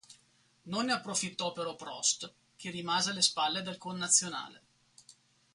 Non ne approfittò però Prost, che rimase alle spalle del connazionale.